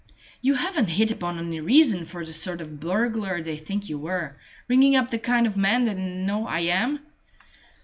"You haven't hit upon any reason for the sort of burglar they think you were, ringing up the kind of man they know I am?"